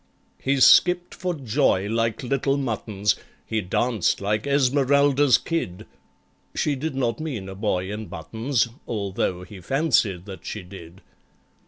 He skipped for joy like little muttons, He danced like Esmeralda's kid. (She did not mean a boy in buttons, Although he fancied that she did.)